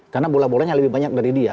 karena bola bolanya lebih banyak dari dia